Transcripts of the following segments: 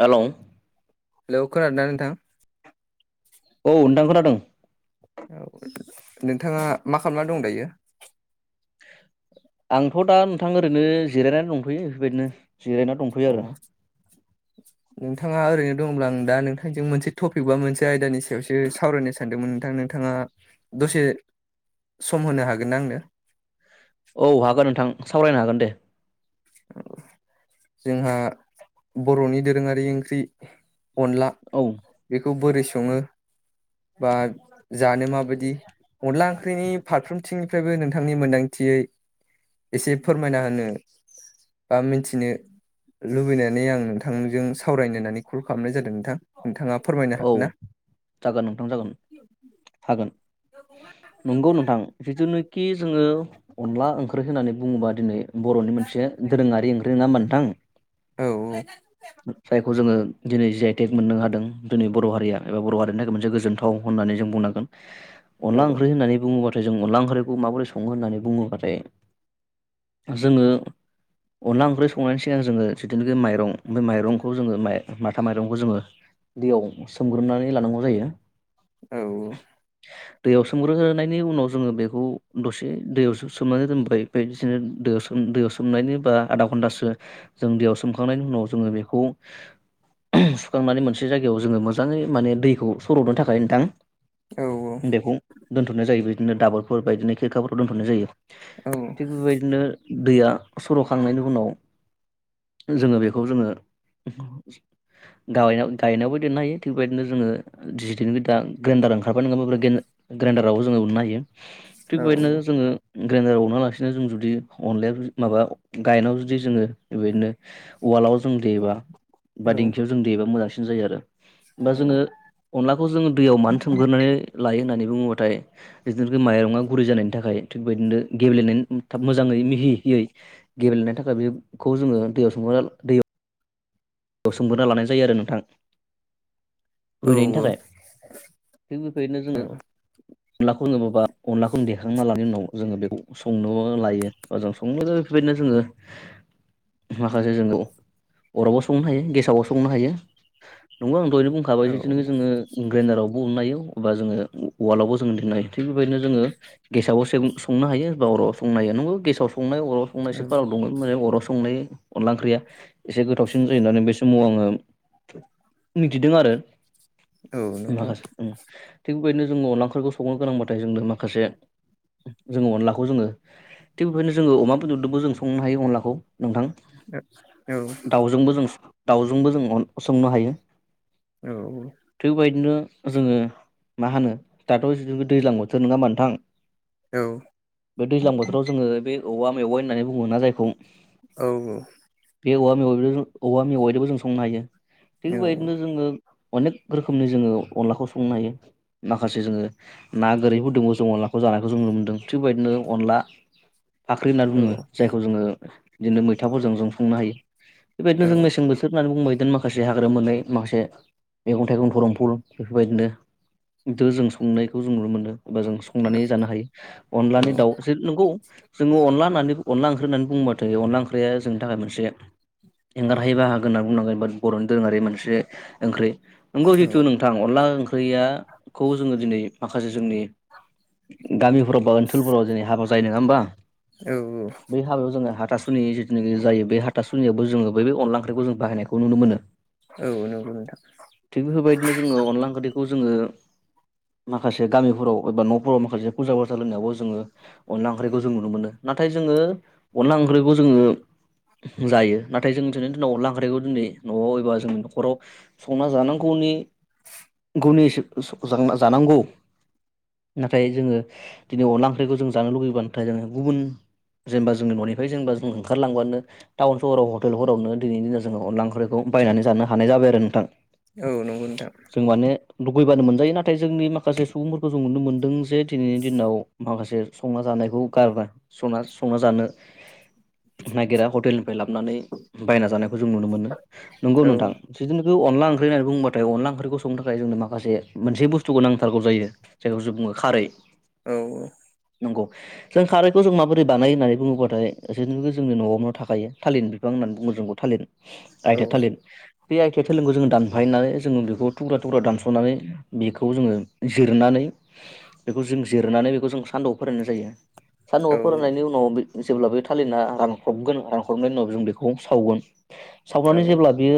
Hello. Hello खोनादोंना नोंथां? औ नोंथां खोनादों। नोंथाङा मा खालामना दं दायो? आंथ' दा नोंथां ओरैनो जिरायनानै दंथयो बेफोरबायदिनो जिरायनानै दंथयो आरो। [inaudible] नोंथाङा ओरैनो दङब्ला आं दा नोंथांजों मोनसे टपिक बा मोनसे आयदानि सायावसो सावरायनो सान दोंमोन नोंथां नोंथाङा दसे सम होनो हागोनना आंनो? औ हागोन नोंथां सावरायनो हागोन दे। जोंहा बर'नि दोरोङारि ओंख्रि अनला औ बेखौ बोरै सङो बा जानो माबायदि अनला ओंख्रिनि फारफ्रोमथिंनिफ्रायबो नोंथांनि मोन्दांथियै एसे फोरमायना होनो बा मिन्थिनो लुबैनानै आं नोंथांजों सावरायनो होननानै कल खालामनाय जादों नोंथां। नोंथाङा फोरमायनो औ हागोन ना? जागोन नोंथां जागोन हागोन नंगौ नोंथां जिथुनाखि जोङो अनला ओंख्रि होननानै बुङोबा दिनै बर'नि मोनसे दोरोङारि ओंख्रि नोङा ओनबा नोंथां। औ जायखौ जोङो दिनै जि आइ टेक मोननो हादों जोंनि बर' हारिया एबा बर' हारि मोनसे गोजोनथाव होननानै जों बुंनांगोन। औ अनला ओंख्रि होननानै बुङोबा जों अनला ओंख्रि खौ माबोरै सङो होननानै बुङोबाथाय जोङो अनला ओंख्रै संनायनि सिगां जोङो जिथुनोखि माइरं बे माइरंखौ जोङो माथा माइरंखौ जोङो दैयाव सोमग्रोमनानै लानांगौ जायो। औ दैयाव सोमग्रोनायनि उनाव जोङो बेखौ दसे दैयाव सोमनानै दोनबाय। बेदिनो दै सोम दैयाव सोमनायनि बा आधा घन्टासो जों दैयाव सोमखांनायनि उनाव जोङो बेखौ सुखांनानै मोनसे जायगायाव जोङो मोजाङै माने दैखौ सर'दनो थाखाय नोंथां औ बेखौ दोन्थ'नाय जायो बिदिनो दाबरफोर बादिनो खेरखाफोराव दोनथ'नाय जायो औ थिग बेबायदिनो दैया सर'खांनायनि उनाव जोङो बेखौ जोङो गावेनाव गायेनावबो दोननो हायो थिग बेबायदिनो जोङो जिखिनि दा ग्राइन्डार ओंखारबाय नङा होनब्ला ग्रेन्डार ग्रेइन्डार आवबो जोङो उननो हायो। औ थिग बेबादिनो जोङो ग्रेन्डाराव उना लासिनो जों जुदि अनलाया माबा गायेनाव जुदि जोङो बेबायदिनो उवालाव जों देयोबा बा दिंखियाव जों देयोबा मोजांसिन जायो आरो होमबा जोङो अनलाखौ जोङो दैयाव मानो थोमग्रोनानै लायो होननानै बुङोबाथाय बिदिनो माइरङा गुरै जानायनि थाखाय थिग बेबादिनो गेब्लेनाय थाब मोजाङै मिहिहियै गेब्लेनो थाखाय बेखौ जोङो दैयाव सोमना दैयाव बे सोमग्रोना लानाय जायो आरो नोंथां औ रुयनायनि थाखाय थिग बेफोरबायदिनो जोङो अनलाखौ अनलाखौनो देखांना लनि उनाव जोङो बेखौ संनो लायो बा जों संनो बेफोरबायदिनो जोङो माखासे जों अरावबो संनो हायो गेसावबो संनो हायो नंगो आं दहैनो बुंखाबाय बिदिनो जोङो ग्रेडारावबो उननो हायो बा जोङो वालावबो जोङो दोननो हायो थिग बेबायदिनो जोङो। गेसावबो संनो हायो बा अरावबो संनो हायो नंगो गेसाव संनाय अराव फंनैसो फाराग दंमोन माने अराव संनाय अनला ओंख्रिया एसे जायोब्लानो बे समाव आङो मिथिदों आरो माखासे थिग बेबायदिनो जोङो अनला ओंख्रिफोरखौ संनो गोनांबाथाय जोंनो माखासे जोङो अनलाखौ जोङो थिग बेबायदिनो जोङो अमा बेदरजोबो जों संनो हायो अनलाखौ नोंथां। ओ औ दाउजोंबो जों दाउजोंबो जों अन संनो हायो। औ औ थिगबायदिनो जोङो मा होनो दाथ' दैज्लां बोथोर नोङा ओमबा नोंथां। औ बे दैज्लां बोथोराव जोङो बे औवा मेवाइ होननानै बुङो ना जायखौ बे औवा मेवा औवा मेवाय जोंबो जों संनो हायो थिग औ बेबायदिनो जोङो अनेक रोखोमनि जोङो अनलाखौ संनो हायो माखासे जोङो ना गोरैफोर दोबो जों अनलाखौ जानायखौ जों नुनो मोनदों थिगबायदिनो अनला फाख्रि होननानै बुङो जायखौ जोङो बिदिनो मैथाफोरजों जों सुंनो हायो बेबायदिनो जों मेसें बोथोर होननानै बुंबाय बिदिनो माखासे हाग्रा मोननै माखासे मैगं थाइगं दरंफुल बेफोरबायदिनो द' जों संनायखौ जों नुनो मोन्दो एबा जों संनानै जानोबो हायो अनलानि दाउ नंगौ जोङो अनला होननानै अनला ओंख्रि होननानै बुंङोबाथाय अनला ओंख्रिया जोंनि थाखाय मोनसे एंगारहै बाहागोन होननानै बुंनांगोनबा बर'नि दोरोङारि मोनसे ओंख्रि नंगौ जिहथु नों गोथां अनला ओंख्रियाखौ जोङो दिनै माखासे जोंनि गामिफोराव बा ओनसोलफोराव जेनै हाबा जायो नङा होमबा बै हाबायाव जोङो हाथासुनि जिथुनाखि जायो बे हाथासुनियावबो जोङो बैअनलाओंख्रिखौ जों बाहायनायखौजों नुनोमोनो औ नंगौ नोंथां थिग बेफोरबायदिनो जोङो अनला ओंखिरिखौ जोङो माखासे गामिफोराव एबा न'फोराव माखासे फुजा फाजा होननायावबो जोङो अनला ओंख्रिखौ जों नुनो मोनो नाथाय जोङो अनला ओंख्रिखौ जोङो जायो नाथाय जों दिनैनि दिनाव अनलाओंख्रिखौ दिनै न'आव एबा जोंनि न'खराव संना जानांगौनि गनिसो [unintelligible] जानांगौ नाथाय जोङो दिनै अनला ओंख्रिखौ जों जानो लुुबैबा नाथाय जोङो गुबुन जेनेबा जोंनि न'निफ्राय जेनेबा जों ओंखारलांबानो टाउन सहराव हटेलफोरावनो दिनै दिनाव जोङ अनला ओंख्रिखौ बायनानै जानो हानाय जाबाय आरो नोंथां औ नंगौ नोंथां जों माने लुगैबानो मोनजायो नाथाय जोंनि माखासे सुबुंफोरखौ जों नुनो मोनदों जे दिनैनि दिनाव माखासे संना जानायखौ गारबांय संना जानो नागिरा हटेलनिफ्राय लाबोनानै बायना जानायखौ जों नुनो मोनो नंगौ नोंथां जुदिनो बे अनला ओंख्रि होननानै बुंबाथाय अनला ओंख्रिखौ संनो थाखाय जोंनो माखासे मोनसे बुस्थुखौ नांथारगौ जायो जायखौ जों बुङो खारै औ औ नंगौ जों खारैखौ जों माबोरै बानायो होननानै बुङोब्लाथाय जे जोंनि न'आवनो थाखायो। थालिन बिफां होननानै बुंङो जोंग आथेया थालिन बे आइथिया थालिरखौ जोङो दानफायनानै जोङो बेखौ थुग्रा थुग्रा दानस'नानै बेखौ जोङो जिरनानै बेखौ जों जिरनानै बेखौ जों सान्दआव फोराननाय जायो सानदुंआव फोरानायनि उनाव जेब्ला बे थालिरना रानख्रबगोन रानख्रबनायनि उनाव जों बेखौ सावगोन सावनानै जेब्ला बियो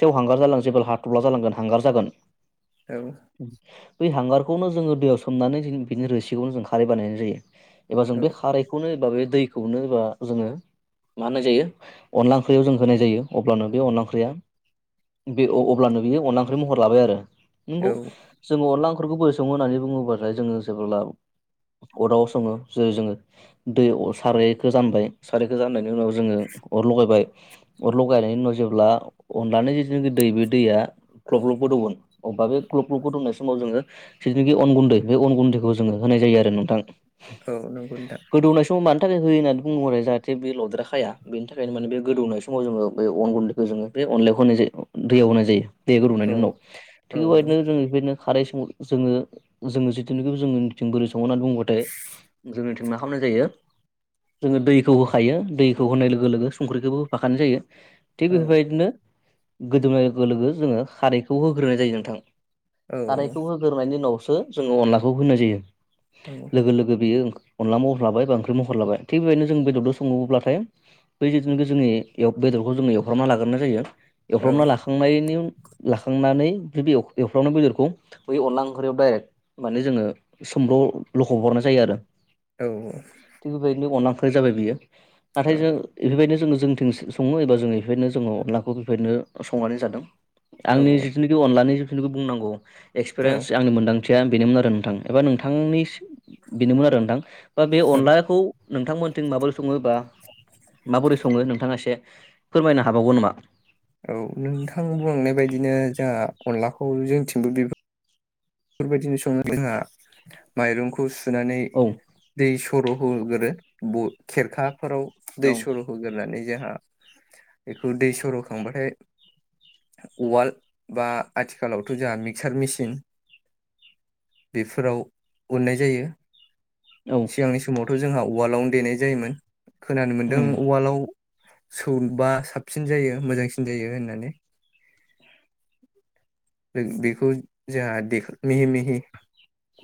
सेवहांगार जालांगोन जेब्ला हाथब्ला जालांगोन हांगार जागोन औ बै हांगारखौनो जोङो दैयाव सोमनानै बिनि रोसिखौनो जों खारै बानायनाय जायो एबा जों बे खारैखौनो एबा बे दैखौनो एबा जोङो मा होननाय जायो अनला ओंख्रियाव जों होनाय जायो अब्लानो बे अनला ओंख्रिया बे अब्लानो बियो अनला ओंख्रि महर लाबाय आरो नंगौ जोङो अनला ओंख्रिखौबो सङो होननानै बुङोब्लाथाय जोङो जेबोब्ला अरदाबाव सङो जेरै जोङो दै सारायखौ जानबाय सारायखौ जानाय बेनि उनाव जोङो अर लगायबाय अरल' गायनायनि उनाव जेब्ला अनलानि जेथुनाखि दै बे दैया गलब गलबगोदौव गोन अब्ला बे गलब गलबगो दौनाय समाव जोङो जिथुनाखि अन गुन्दै बे अन गुन्दैखौ जोङो होनाय जायो आरो नोंथां औ नंगौ नोंथां सम मानि थाखाय हो होननानै बुंहरो जाहाथे बे लद्रा खाया बेनि थाखायनो माने बे गोदौनाय समाव जोङो बे अन गुन्दैखौ जोङो बे अनलायाव होनाय जायो दैयाव होनाय जायो दै गोदौनायनि उनाव थिग बेबायदिनो जोङो बेबायदिनो खारै स जोङो जोङो जिथुनिखि जोनिथिं बोरै सङो होननानै बुंङोबाथाय जोंनिथिं मा खालामनाय जायो। जोङो दैखौ होखायो दै खौ होनाय लोगो लोगो संख्रिखौबो होफाखानाय जायो थिग बेफोरबायदिनो गोदौनाय लोगो लोगो जोङो खारैखौ होग्रोनाय जायो नोंथां खारैखौ होगोरनायनि उनावसो जोङो अनलाखौ होनाय जायो लोगो लोगो बेयो अनला महरलाबाय बा ओख्रि महरलाबाय थिग बेदिनो जों बेदरजों सङोब्लाथाय बै जिथनाखि जोंनि बेदरखौ जोङ एवफ्र्रामना लाग्रोनाय जायो एवफ्र्रबना लाखा खांनायनि लाखांनानै एवफ्र्रामनाय बेदरखौ बै अनला ओंख्रियाव दाइरेक्ट माने जोङो सोमल' लखब हरनाय जायो आरो। औ औ थिग बेबायदिनो अनला ओंख्रि जाबाय बियो नाथाय जों एफोरबायदिनो जोङो जोंथिं स-सङो एबा जों एफोरबायदिनो जोङो अनलाखौ बेबायदिनो संनानै जादों। आंनि जिखिनि अनलानि जिथुनिखि बुंनांगौ एक्सपिरियेन्स आंनि मोनदां थिया बेनोमोन आरो नोंथां एबा नोंथांनि सि बेनोमोन आरो नोंथां बा बे औ अनलाखौ नोंथांमोनथिं माबोरै सङो बा माबोरै सङो नोंथाङा एसे फोरमायनो हाबावगोन नामा? औ नोंथां बुंनाय बायदिनो जाहा अनलाखौ जोंथिंबो बे फोरबायदिनो सङो जोंहा माइरंखौ सुनानै औ दै सर' होगोरो ब' खेरखाफोराव औ दै सर' होगोरनानै जाहा बेखौ दै सर'खांबाथाय उवाल बा आथिखालावथ' जाहा मिक्सार मेसिन बेफोराव उननाय जायो औ सिगांनि स समावथ' जोंहा उवालावनो देनाय जायोमोन खोनानो मोन्दों उम उवालाव सौबा साबसिन जायो मोजांसिन जायो होननानै। रोग बेखौ जाहा देख मिहि मिहि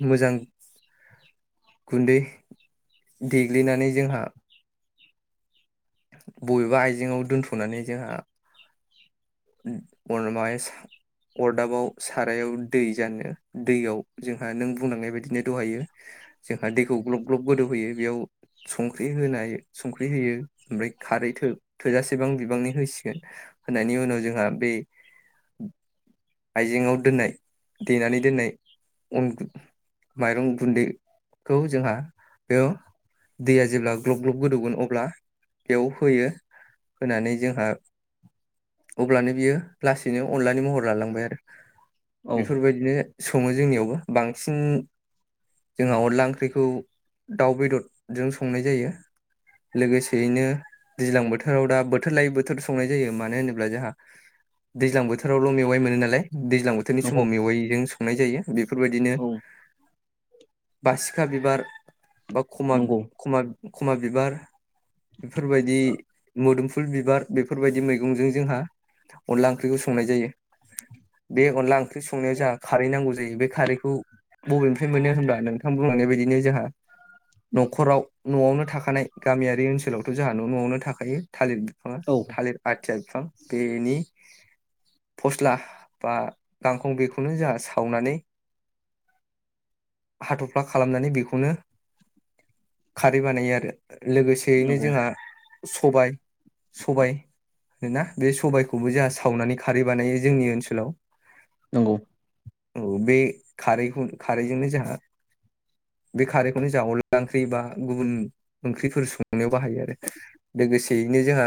मोजां गुन्दै देग्लिनानै जोंहा बबेबा आइजेंआव दोनथ'नानै जोंहा अर माय सा अरदाबाव सारायाव दै जानो दैयाव जोंहा नों बुंलांनाय बादिनो दहायो जोंहा दैखौ ग्लब ग्लब गोदौहोयो बेयाव संख्रि होनाय संख्रि होयो। ओमफ्राय खारै थो-थोजासेबां बिबांनि होसिगोन होनायनि उनाव जोंहा बे आइजेंआव दोननाय देनानै दोननाय अन गुन माइरं गुन्दै खौ जोंहा बेयाव दैया जेब्ला ग्लब ग्लब गोदौगोन अब्ला बेयाव होयो होनानै जोंहा अब्लानो बियो लासैनो अनलानि महर लालांबाय आरो औ बेफोरबायदिनो सङो जोंनियावबो बांसिन जोंहा अनला ओंख्रिखौ दाउ बेदरजों संनाय जायो लोगोसे बेदिनो दैज्लां बोथोराव दा बोथोर लायै बोथोर संनाय जायो मानो होनोब्ला जाहा दैज्लां बोथोरावल' मेवाइ मोनो नालाय, दैज्लां बोथोरनि समाव नंगौ मेवाइजों नाय जायो बेफोरबायदिनो औ बासिखा बिबार बा नंगौ खमा-खमा-खमाबिबार बेफोरबायदि मोदोमफुल बिबार बेफोरबायदि मैगंजों जोंहा अनला ओंख्रिखौ संनाय जायो। बे अनला ओंख्रि संनायाव जाहा खारै नांगौ जायो, बे खारैखौ बबेनिफ्राय मोनो होनोमब्ला नोंथां बुंलांनाय बायदिनो जोहा न'खराव न'आवनो थाखानाय गामियारि ओनसोलाव थ'जाहानो न'आवनो थाखायो थालिर बिफाङा औ थालिर आथिया बिफां बेनि फस्ला बा गांखं बेखौनो जाहा सावनानै हाथ'फ्ला खालामनानै बेखौनो खारै बानायो आरो। लोगोसेयैनो नंगौ जोंहा सबाय सबाय नोना बे सबायखौबो जाहा सावनानै खारै बानायो जोंनि ओनसोलाव। नंगौ औ बे खारैखौ खारैजोंनो जोंहा बे खारैखौनो जा अनला ओंख्रि बा गुबुन ओंख्रिफोर संनायाव बाहायो आरो। लोगोसेयैनो जोहा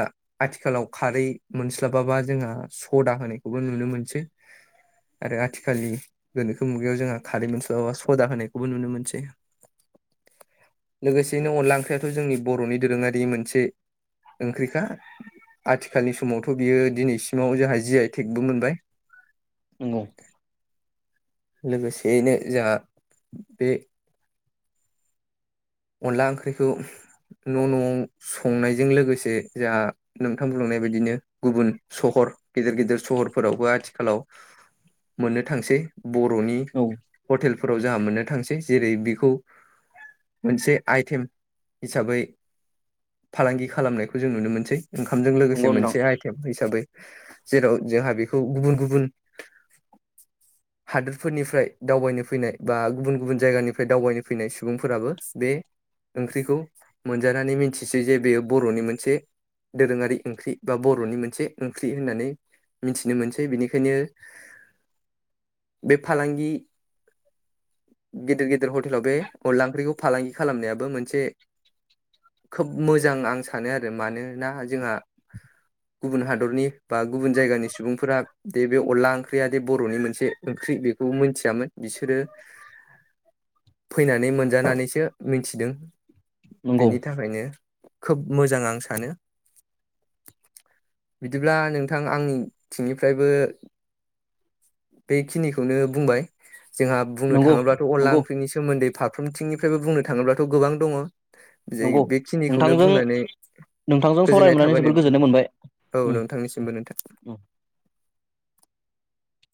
आथिखालाव खारै मोनस्लाबाबा जोंहा सदा होनायखौबो नुनो मोनसै। आरो आथिखालनि गोनोखो मुगायाव जोंहा खारै मोनस्लाबा बा सदा होनायखौबो नुनो मोनसै। लोगोसेनो अनला ओंख्रियाथ' जोंनि बर'नि दोरोङारिनि मोनसे ओंख्रिखा आथिखालनि समावथ' बियो दिनैसिमाव जोंहा जि आइ टेकबो मोनबाय। नोंगौ लोगोसेयैनो जोहा बे अनला ओंख्रिखौ न'- न'आव संनायजों लोगोसे जोंहा नोंथां बुंलांनाय बायदिनो गुबुन सहर गेदेर- गेदेर सहरफोरावबो आथिखालाव मोननो थांसै बर'नि औ हथेलफोराव जोंहा मोननो थांसै जेरै बिखौ मोनसे आइथेम हिसाबै फालांगि खालामनायखौ जों नुनो मोनसै। ओंखामजों लोगोसे नंगौ नोंथां मोनसे आइटेम हिसाबै जेराव जोंहा बेखौ गुबुन-गुबुन हादोरफोरनिफ्राय दावबायनो फैनाय बा गुबुन-गुबुन जायगानिफ्राय दावबायनो फैनाय सुबुंफोराबो बे ओंख्रिखौ मोनजानानै मिनथिसै जे बेयो बर'नि मोनसे दोरोङारि ओंख्रि बा बर'नि मोनसे ओंख्रि होननानै मिथिनो मोनसै बिनिखायनो बे फालांगि गिदिर-गिदिर हथेलाव बे अनला ओंख्रिखौ फालांगि खालामनायाबो मोनसे खोब मोजां आं सानो आरो मानोना जोंहा गुबुन हादरनि बा गुबुन जायगानि सुबुंफोरा दे बे अनला ओंख्रिया दे बर'नि मोनसे ओंख्रि बेखौ मोनथियामोन बिसोरो फैनानै मोनजानानै [unintelligible] मिनथिदों नंगौ बिनि थाखायनो खोब मोजां आं सानो बिदिब्ला नोंथां आंनि थिंनिफ्रायबो बेखिनिखौनो बुंबाय जोंहा बुंनो नंगौ थाङोब्लाथ' अनला नंगौ ओंख्रिनि सोमोन्दै फारफ्रोमथिंनिफ्रायबो बुंनो थाङोब्लाथ' गोबां दङ'। जे नंगौ बेखिनिखौनो नोंथांजों बुंनानै नोंथांजों सावराय गोजोननाय मोननानै थाबाय जोबोर नोंथां। गोजोननाय मोनबाय औ उम नोंथांनिसिमबो नोंथां उम